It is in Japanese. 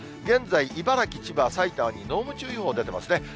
現在、茨城、千葉、埼玉に濃霧注意報出てますね。